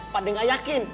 pake gak yakin